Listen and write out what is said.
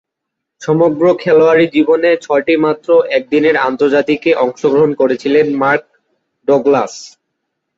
সমগ্র খেলোয়াড়ী জীবনে ছয়টিমাত্র একদিনের আন্তর্জাতিকে অংশগ্রহণ করেছিলেন মার্ক ডগলাস।